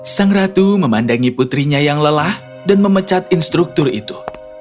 sang ratu memandangi putrinya yang lelah dan memecat instruktur itu